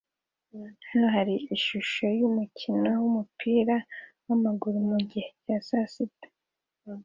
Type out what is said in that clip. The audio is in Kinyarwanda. Hano hari ishusho yumukino wumupira wamaguru mugihe cya saa sita